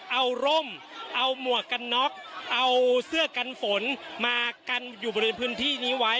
เอาร่มเอาหมวกกันน็อกเอาเสื้อกันฝนมากันอยู่บริเวณพื้นที่นี้ไว้